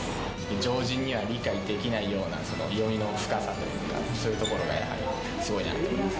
常人には理解できないような読みの深さというか、そういうところがやはりすごいなと思います。